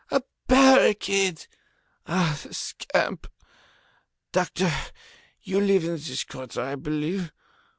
A barricade! Ah, the scamp! Doctor, you live in this quarter, I believe?